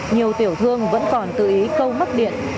nhiều tiểu thương vẫn còn tự ý câu mất điện